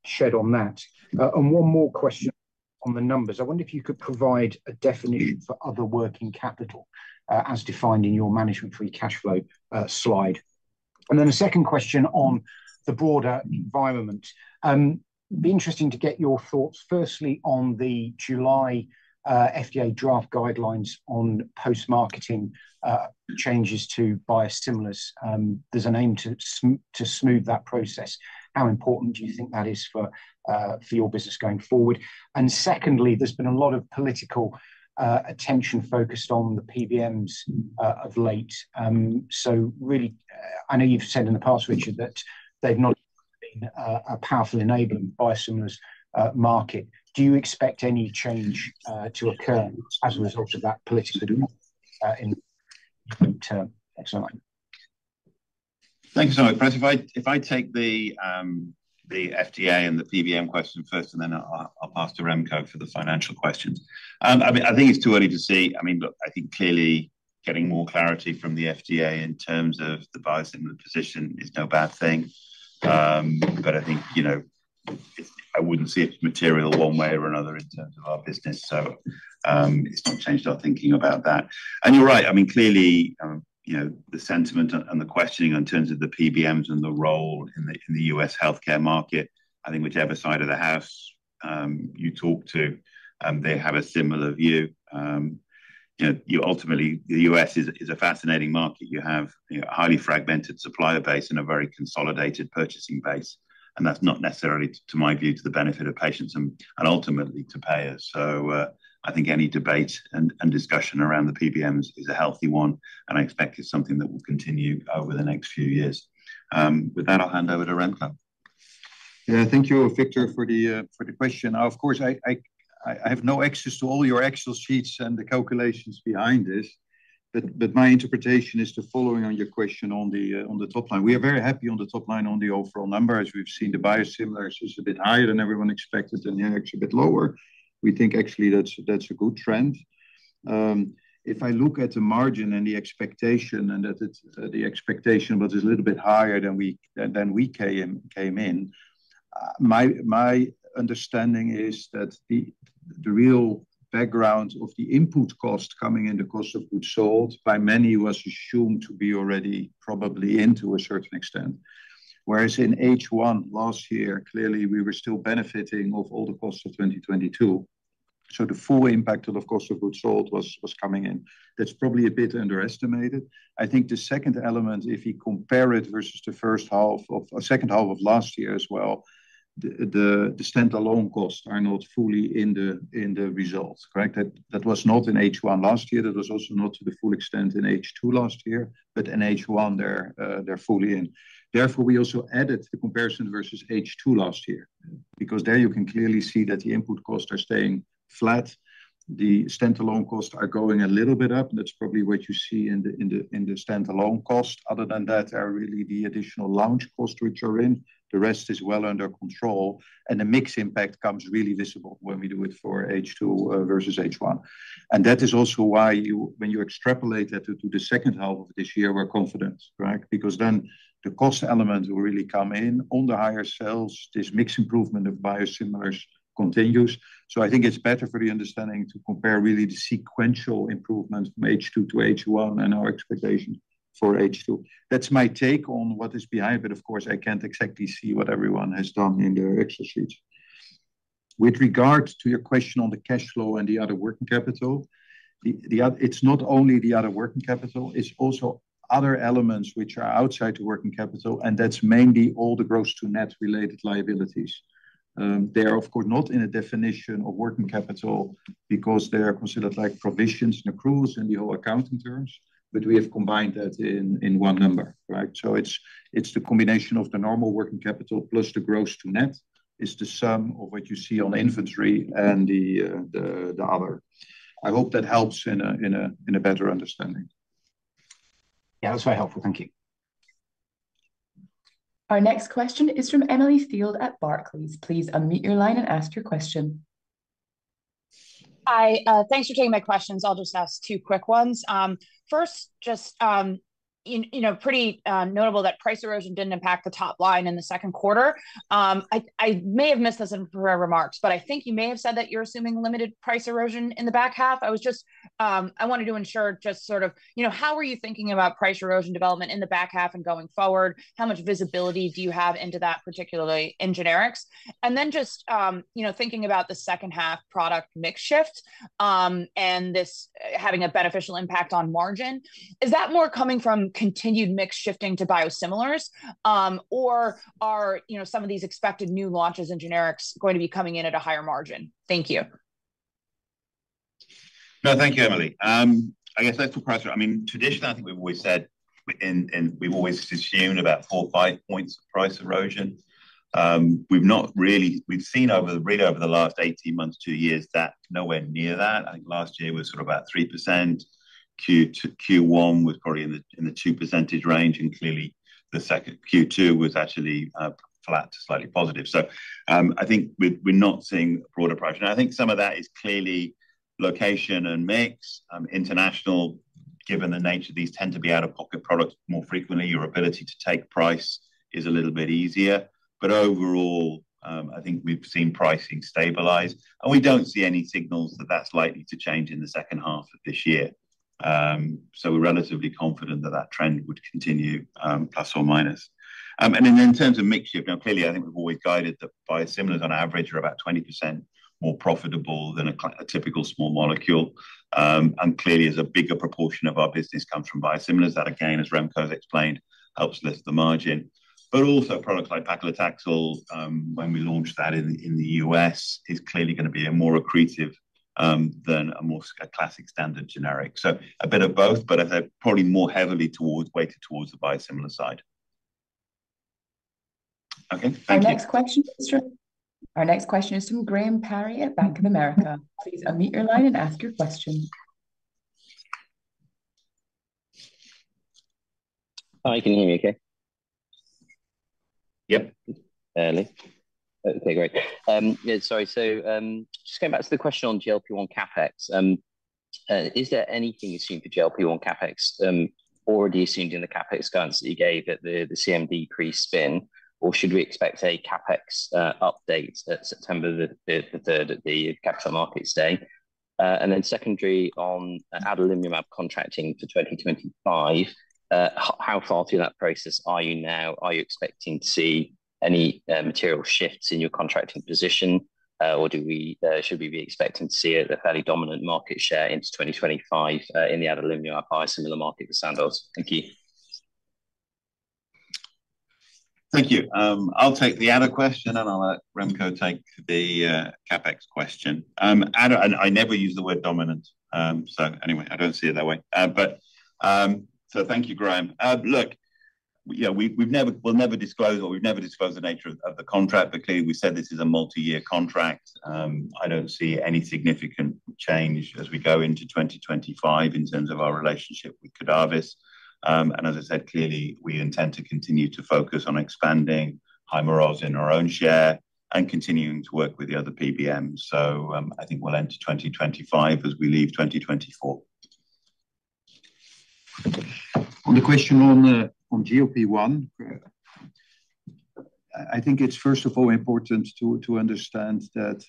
shed on that. And one more question on the numbers. I wonder if you could provide a definition for other working capital, as defined in your management free cash flow slide. Then a second question on the broader environment. It'd be interesting to get your thoughts, firstly, on the July FDA draft guidelines on post-marketing changes to biosimilars. There's an aim to smooth that process. How important do you think that is for your business going forward? And secondly, there's been a lot of political attention focused on the PBMs of late. So really, I know you've said in the past, Richard, that they've not been a powerful enabler in biosimilars market. Do you expect any change to occur as a result of that political development in-... Victor, excellent. Thank you so much, Chris. If I take the FDA and the PBM question first, and then I'll pass to Remco for the financial questions. I mean, I think it's too early to say. I mean, look, I think clearly getting more clarity from the FDA in terms of the biosimilar position is no bad thing. But I think, you know, I wouldn't see it as material one way or another in terms of our business. So, it's not changed our thinking about that. And you're right, I mean, clearly, you know, the sentiment and the questioning in terms of the PBMs and the role in the U.S. healthcare market, I think whichever side of the house you talk to, they have a similar view. You know, ultimately, the U.S. is a fascinating market. You have, you know, a highly fragmented supplier base and a very consolidated purchasing base, and that's not necessarily, to my view, to the benefit of patients and ultimately to payers. So, I think any debate and discussion around the PBMs is a healthy one, and I expect it's something that will continue over the next few years. With that, I'll hand over to Remco. Yeah, thank you, Victor, for the question. Of course, I have no access to all your Excel sheets and the calculations behind this, but my interpretation is the following on your question on the top line. We are very happy on the top line on the overall number, as we've seen the biosimilars is a bit higher than everyone expected and the generics a bit lower. We think actually that's a good trend. If I look at the margin and the expectation, and that it's, the expectation was a little bit higher than we came in, my understanding is that the real background of the input cost coming in, the cost of goods sold, by many, was assumed to be already probably in to a certain extent. Whereas in H1 last year, clearly, we were still benefiting of all the costs of 2022, so the full impact of the cost of goods sold was coming in. That's probably a bit underestimated. I think the second element, if you compare it versus the first half of second half of last year as well, the standalone costs are not fully in the results, correct? That was not in H1 last year. That was also not to the full extent in H2 last year, but in H1, they're fully in. Therefore, we also added the comparison versus H2 last year, because there you can clearly see that the input costs are staying flat. The standalone costs are going a little bit up, and that's probably what you see in the standalone cost. Other than that, are really the additional launch costs which are in. The rest is well under control, and the mix impact comes really visible when we do it for H2 versus H1. And that is also why you—when you extrapolate that to the second half of this year, we're confident, right? Because then the cost elements will really come in on the higher sales. This mix improvement of biosimilars continues. So I think it's better for the understanding to compare really the sequential improvements from H2 to H1 and our expectations for H2. That's my take on what is behind, but of course, I can't exactly see what everyone has done in their exercise sheets. With regards to your question on the cash flow and the other working capital, it's not only the other working capital, it's also other elements which are outside the working capital, and that's mainly all the gross-to-net related liabilities. They are, of course, not in a definition of working capital because they are considered like provisions and accruals in the whole accounting terms, but we have combined that in one number, right? So it's the combination of the normal working capital plus the gross-to-net, is the sum of what you see on inventory and the other. I hope that helps in a better understanding. Yeah, that's very helpful. Thank you. Our next question is from Emily Field at Barclays. Please unmute your line and ask your question. Hi. Thanks for taking my questions. I'll just ask two quick ones. First, just, you know, pretty notable that price erosion didn't impact the top line in the second quarter. I may have missed this in your remarks, but I think you may have said that you're assuming limited price erosion in the back half. I was just, I wanted to ensure just sort of, you know, how are you thinking about price erosion development in the back half and going forward? How much visibility do you have into that, particularly in generics? And then just, you know, thinking about the second half product mix shift, and this having a beneficial impact on margin, is that more coming from continued mix shifting to biosimilars, or are, you know, some of these expected new launches in generics going to be coming in at a higher margin? Thank you. No, thank you, Emily. I guess as for price, I mean, traditionally, I think we've always said, and we've always assumed about 4 or 5 points of price erosion. We've not really-- we've seen over, really over the last 18 months, 2 years, that nowhere near that. I think last year was sort of about 3%. Q1 was probably in the, in the 2% range, and clearly, the second, Q2 was actually flat to slightly positive. I think we're not seeing a broader price. And I think some of that is clearly location and mix. International, given the nature of these, tend to be out-of-pocket products more frequently. Your ability to take price is a little bit easier. But overall, I think we've seen pricing stabilize, and we don't see any signals that that's likely to change in the second half of this year. So we're relatively confident that that trend would continue, plus or minus. And then in terms of mix shift, now, clearly, I think we've always guided the biosimilars on average are about 20% more profitable than a typical small molecule. And clearly, as a bigger proportion of our business comes from biosimilars, that, again, as Remco explained, helps lift the margin. But also products like paclitaxel, when we launch that in the U.S., is clearly gonna be a more accretive than a more classic standard generic. So a bit of both, but I'd say probably more heavily towards, weighted towards the biosimilar side. Okay, thank you. Our next question is from Graham Parry at Bank of America. Please unmute your line and ask your question. Hi, can you hear me okay? Yep. So, just going back to the question on GLP-1 CapEx. Is there anything you see for GLP-1 CapEx already assumed in the CapEx guidance that you gave at the CMD pre-spin, or should we expect a CapEx update at September the third at the Capital Markets Day? And then secondly, on adalimumab contracting for 2025, how far through that process are you now? Are you expecting to see any material shifts in your contracting position, or do we, should we be expecting to see the fairly dominant market share into 2025 in the adalimumab biosimilar market with Sandoz? Thank you. Thank you. I'll take the Ada question, and I'll let Remco take the CapEx question. Ada, I, I never use the word dominant. So anyway, I don't see it that way. But, so thank you, Graham. Look, yeah, we, we've never, we'll never disclose, or we've never disclosed the nature of the contract, but clearly, we said this is a multi-year contract. I don't see any significant change as we go into 2025 in terms of our relationship with Cardinal Health. And as I said, clearly, we intend to continue to focus on expanding Hyrimoz in our own share and continuing to work with the other PBMs. So, I think we'll enter 2025 as we leave 2024. On the question on, on GLP-1, I think it's first of all important to, to understand that,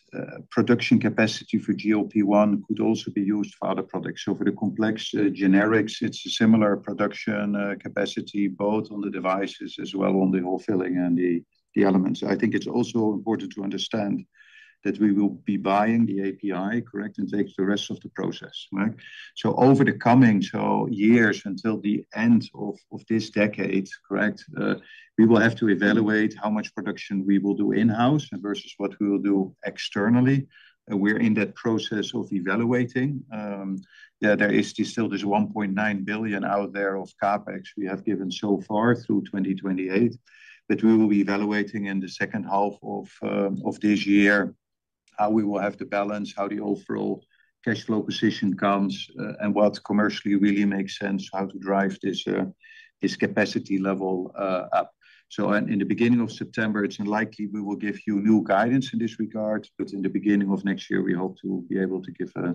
production capacity for GLP-1 could also be used for other products. So for the complex, generics, it's a similar production, capacity, both on the devices as well on the whole filling and the, the elements. I think it's also important to understand that we will be buying the API, correct, and take the rest of the process, right? So over the coming, so years until the end of, of this decade, correct, we will have to evaluate how much production we will do in-house versus what we will do externally. We're in that process of evaluating. Yeah, there is still this 1.9 billion out there of CapEx we have given so far through 2028. But we will be evaluating in the second half of this year, how we will have to balance, how the overall cash flow position comes, and what commercially really makes sense, how to drive this, this capacity level, up. So in the beginning of September, it's likely we will give you new guidance in this regard, but in the beginning of next year, we hope to be able to give a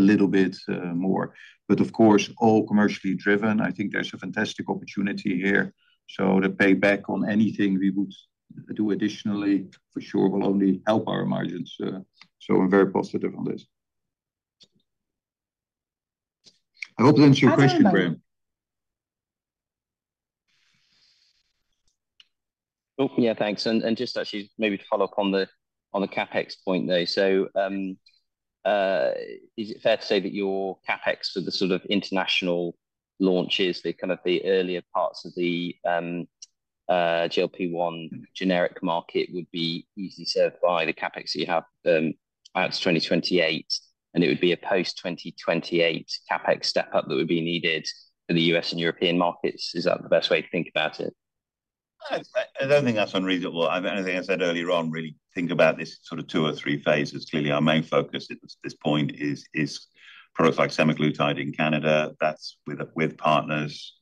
little bit more. But of course, all commercially driven, I think there's a fantastic opportunity here. So the payback on anything we would do additionally, for sure, will only help our margins. So I'm very positive on this. I hope that answered your question, Graham. Oh, yeah, thanks. And just actually maybe to follow up on the CapEx point, though. So, is it fair to say that your CapEx for the sort of international launches, the kind of the earlier parts of the GLP-1 generic market would be easily served by the CapEx that you have out to 2028, and it would be a post-2028 CapEx step up that would be needed for the US and European markets? Is that the best way to think about it? I don't think that's unreasonable. I think I said earlier on, really think about this sort of two or three phases. Clearly, our main focus at this point is products like semaglutide in Canada, that's with partners.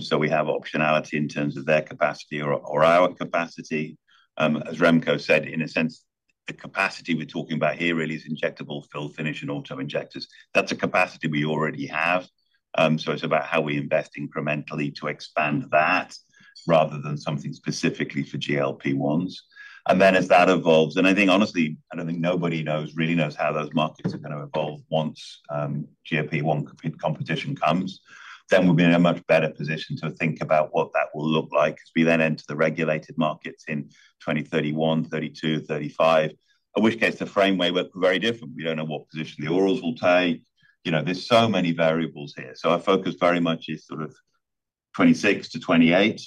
So we have optionality in terms of their capacity or our capacity. As Remco said, in a sense, the capacity we're talking about here really is injectable fill-finish, and auto-injectors. That's a capacity we already have. So it's about how we invest incrementally to expand that, rather than something specifically for GLP-1s. And then as that evolves, and I think, honestly, I don't think nobody knows, really knows how those markets are going to evolve once GLP-1 competition comes, then we'll be in a much better position to think about what that will look like, as we then enter the regulated markets in 2031, 2032, 2035. In which case, the framework, we're very different. We don't know what position the orals will take. You know, there's so many variables here. So our focus very much is sort of 2026-2028,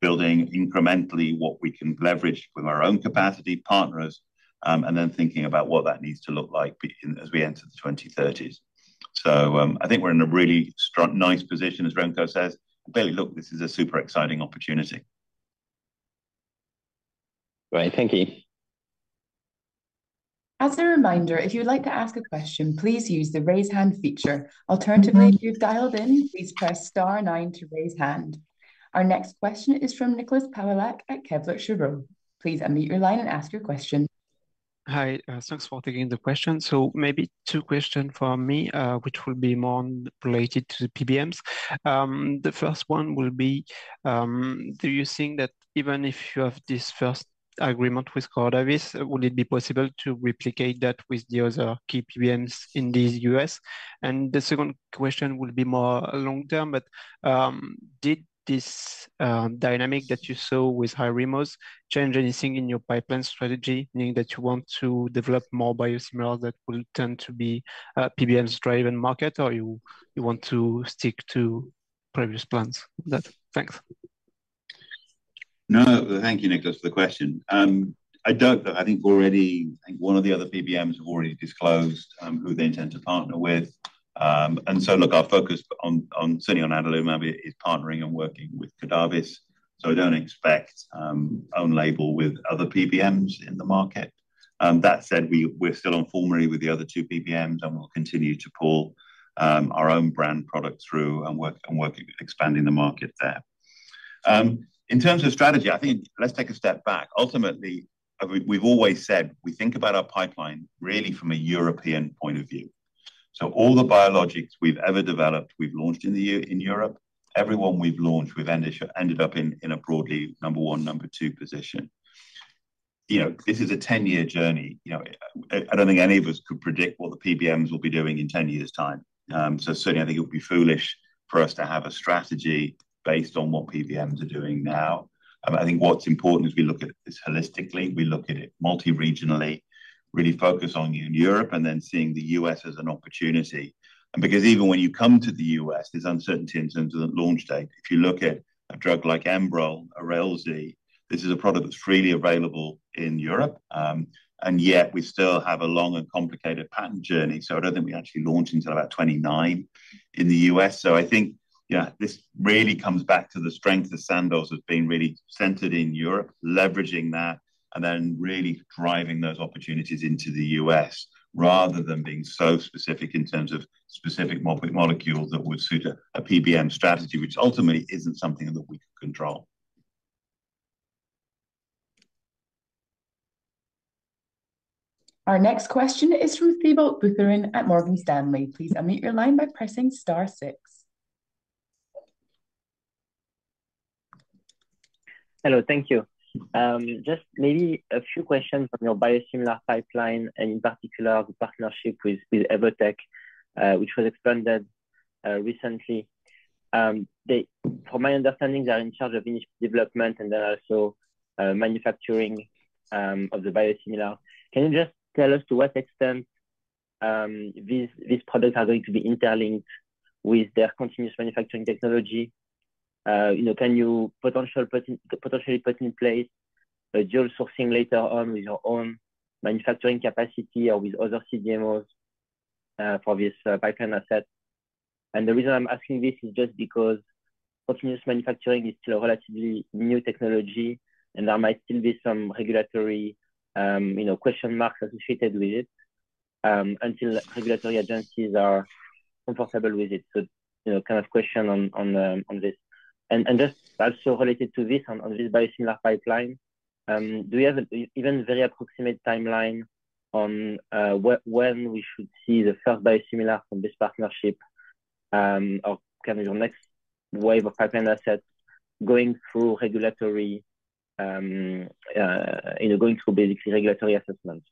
building incrementally what we can leverage with our own capacity partners, and then thinking about what that needs to look like, as we enter the 2030s. So, I think we're in a really strong, nice position, as Remco says. Clearly, look, this is a super exciting opportunity. Great, thank you. As a reminder, if you'd like to ask a question, please use the Raise Hand feature. Alternatively, if you've dialed in, please press star nine to raise hand. Our next question is from Nicolas Pauillac at Kepler Cheuvreux. Please unmute your line and ask your question. Hi, thanks for taking the question. So maybe two questions from me, which will be more related to the PBMs. The first one will be, do you think that even if you have this first agreement with Cardinal Health, would it be possible to replicate that with the other key PBMs in the US? And the second question will be more long-term, but, did this dynamic that you saw with Hyrimoz change anything in your pipeline strategy, meaning that you want to develop more biosimilar that will tend to be, PBMs driven market, or you, you want to stick to previous plans? Thanks. No, thank you, Nicolas, for the question. I doubt that. I think already, I think one of the other PBMs have already disclosed who they intend to partner with. And so look, our focus on, on certainly on adalimumab is partnering and working with Cardinal Health. So I don't expect own label with other PBMs in the market. That said, we're still on formulary with the other two PBMs, and we'll continue to pull our own brand product through and work, and work expanding the market there. In terms of strategy, I think let's take a step back. Ultimately, I mean, we've always said we think about our pipeline really from a European point of view. So all the biologics we've ever developed, we've launched in the year in Europe. Everyone we've launched, we've ended up in a broadly number one, number two position. You know, this is a 10-year journey. You know, I don't think any of us could predict what the PBMs will be doing in 10 years' time. So certainly I think it would be foolish for us to have a strategy based on what PBMs are doing now. I think what's important is we look at this holistically. We look at it multi-regionally, really focus on Europe, and then seeing the US as an opportunity. And because even when you come to the US, there's uncertainty in terms of the launch date. If you look at a drug like Humira, Ozempic, this is a product that's freely available in Europe, and yet we still have a long and complicated patent journey. I don't think we actually launch until about 2029 in the US. So I think, yeah, this really comes back to the strength of Sandoz as being really centered in Europe, leveraging that, and then really driving those opportunities into the US, rather than being so specific in terms of specific molecule that would suit a, a PBM strategy, which ultimately isn't something that we can control. Our next question is from Thibault Boutherin at Morgan Stanley. Please unmute your line by pressing star six. Hello, thank you. Just maybe a few questions from your biosimilar pipeline and in particular, the partnership with Evotec, which was extended recently. They from my understanding, they are in charge of initial development and then also manufacturing of the biosimilar. Can you just tell us to what extent these products are going to be interlinked with their continuous manufacturing technology? You know, can you potentially put in place a dual sourcing later on with your own manufacturing capacity or with other CDMOs for this pipeline asset? And the reason I'm asking this is just because continuous manufacturing is still a relatively new technology, and there might still be some regulatory you know, question marks associated with it until regulatory agencies are comfortable with it. So, you know, kind of question on this. And just also related to this, on this biosimilar pipeline, do you have an even very approximate timeline on when we should see the first biosimilar from this partnership, or kind of your next wave of pipeline assets going through regulatory, you know, going through basically regulatory assessment?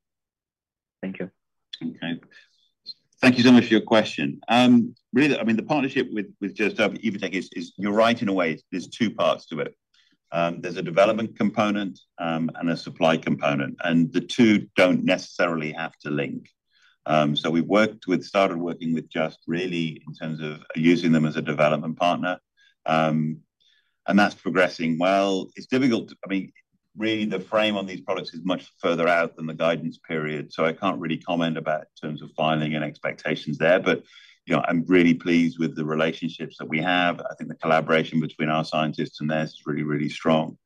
Thank you. Okay. Thank you so much for your question. Really, I mean, the partnership with Just - Evotec is, you're right in a way, there's two parts to it. There's a development component, and a supply component, and the two don't necessarily have to link. So we've started working with Just really in terms of using them as a development partner. And that's progressing well. It's difficult, I mean, really, the frame on these products is much further out than the guidance period, so I can't really comment about in terms of filing and expectations there. But, you know, I'm really pleased with the relationships that we have. I think the collaboration between our scientists and theirs is really, really strong.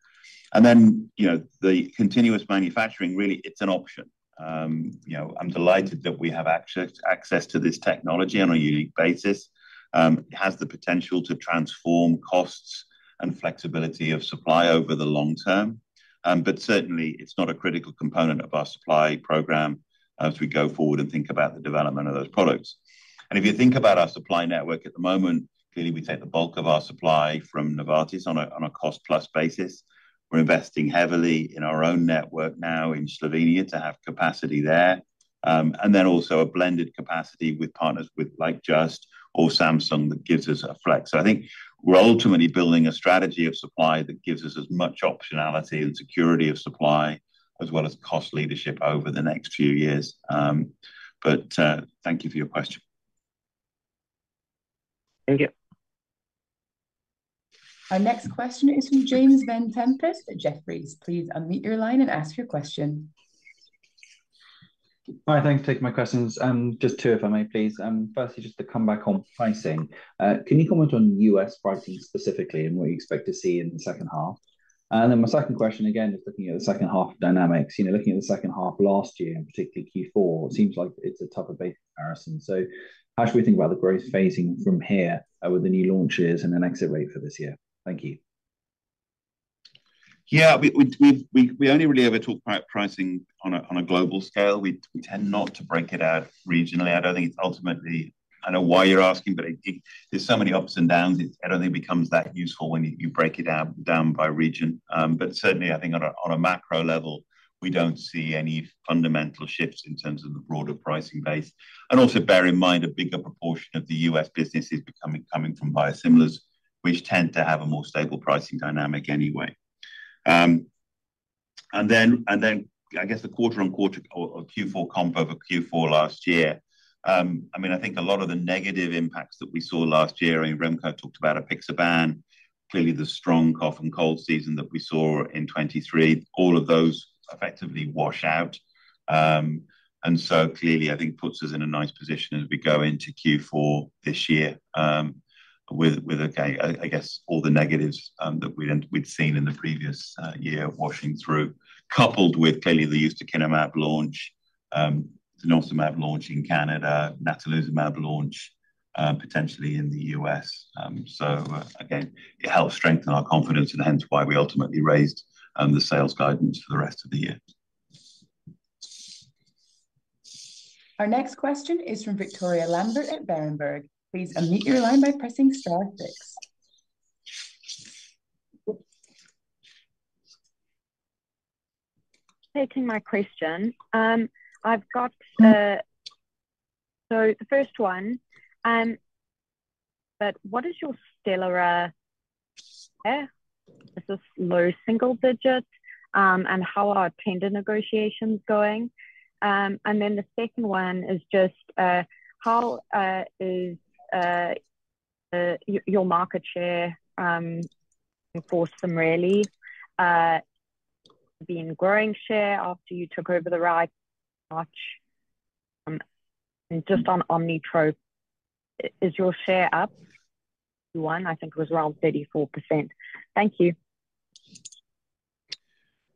And then, you know, the continuous manufacturing, really it's an option. You know, I'm delighted that we have access to this technology on a unique basis. It has the potential to transform costs and flexibility of supply over the long term, but certainly it's not a critical component of our supply program as we go forward and think about the development of those products. If you think about our supply network at the moment, clearly, we take the bulk of our supply from Novartis on a cost-plus basis. We're investing heavily in our own network now in Slovenia to have capacity there. And then also a blended capacity with partners with like Just or Samsung, that gives us a flex. I think we're ultimately building a strategy of supply that gives us as much optionality and security of supply, as well as cost leadership over the next few years. Thank you for your question. Thank you. Our next question is from James Vane-Tempest at Jefferies. Please unmute your line and ask your question. Hi, thanks for taking my questions. Just two, if I may, please. Firstly, just to come back on pricing, can you comment on U.S. pricing specifically and what you expect to see in the second half? And then my second question, again, just looking at the second half dynamics. You know, looking at the second half last year, and particularly Q4, it seems like it's a tough comparison. So how should we think about the growth phasing from here with the new launches and the exit rate for this year? Thank you. Yeah, we only really ever talk about pricing on a global scale. We tend not to break it out regionally. I don't think it's ultimately... I know why you're asking, but it, there's so many ups and downs, it, I don't think it becomes that useful when you break it down by region. But certainly I think on a macro level, we don't see any fundamental shifts in terms of the broader pricing base. And also, bear in mind, a bigger proportion of the US business is becoming coming from biosimilars, which tend to have a more stable pricing dynamic anyway. And then, I guess the quarter on quarter or Q4 comp over Q4 last year. I mean, I think a lot of the negative impacts that we saw last year, and Remco talked about apixaban. Clearly, the strong cough and cold season that we saw in 2023, all of those effectively wash out. And so clearly, I think puts us in a nice position as we go into Q4 this year, with okay, I guess all the negatives that we'd seen in the previous year washing through. Coupled with clearly the ustekinumab launch, the adalimumab launch in Canada, natalizumab launch potentially in the US. So, again, it helps strengthen our confidence and hence why we ultimately raised the sales guidance for the rest of the year. Our next question is from Victoria Lambert at Berenberg. Please unmute your line by pressing star six. Taking my question. I've got so the first one, but what is your Stelara? Is this low single digits, and how are tender negotiations going? And then the second one is just, how is your market share for CIMERLI been growing share after you took over the rights in March? And just on Omnitrope, is your share up to 1? I think it was around 34%. Thank you.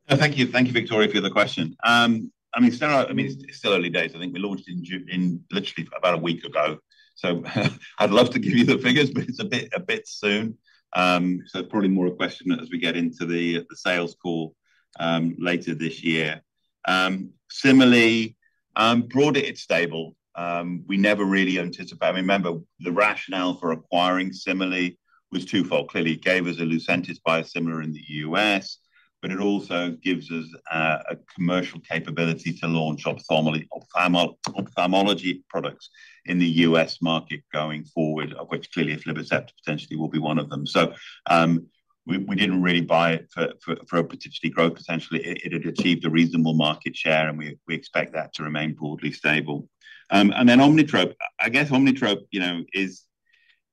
Thank you. Thank you, Victoria, for the question. I mean, Stelara, I mean, it's still early days. I think we launched in literally about a week ago, so I'd love to give you the figures, but it's a bit, a bit soon. So probably more a question as we get into the sales call later this year. CIMERLI, broadly, it's stable. We never really anticipate... I mean, remember, the rationale for acquiring CIMERLI was twofold. Clearly, it gave us a Lucentis biosimilar in the US, but it also gives us a commercial capability to launch ophthalmology products in the US market going forward, of which clearly aflibercept potentially will be one of them. So, we didn't really buy it for potentially growth. Potentially, it had achieved a reasonable market share, and we expect that to remain broadly stable. And then Omnitrope. I guess Omnitrope, you know, is...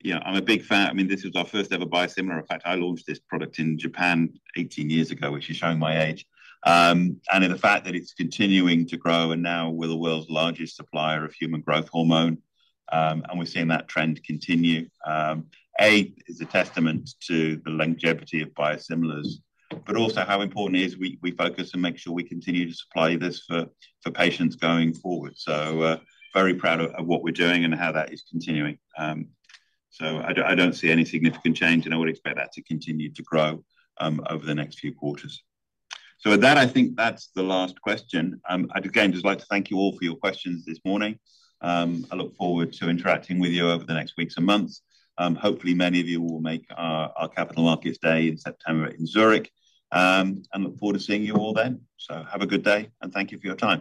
You know, I'm a big fan. I mean, this was our first ever biosimilar. In fact, I launched this product in Japan 18 years ago, which is showing my age. And in the fact that it's continuing to grow and now we're the world's largest supplier of human growth hormone, and we're seeing that trend continue, a, is a testament to the longevity of biosimilars. But also how important it is we focus and make sure we continue to supply this for patients going forward. So, very proud of what we're doing and how that is continuing. So I don't, I don't see any significant change, and I would expect that to continue to grow over the next few quarters. So with that, I think that's the last question. I'd again, just like to thank you all for your questions this morning. I look forward to interacting with you over the next weeks and months. Hopefully many of you will make our Capital Markets Day in September in Zurich. I look forward to seeing you all then. So have a good day, and thank you for your time.